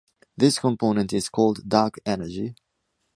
This component is called dark energy.